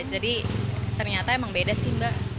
jadi ternyata memang beda sih